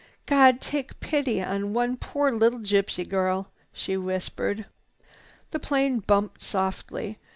"God take pity on one poor little gypsy girl!" she whispered. The plane bumped softly.